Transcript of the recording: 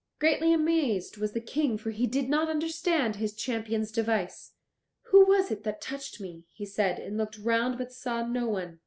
Greatly amazed was the King for he did not understand his champion's device. "Who was it that touched me?" he said, and looked round, but saw no one.